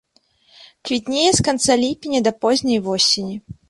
Квітнее з канца ліпеня да позняй восені.